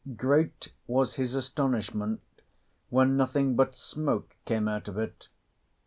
Great was his astonishment when nothing but smoke came out of it.